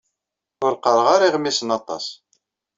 Ur qqareɣ ara iɣmisen aṭas.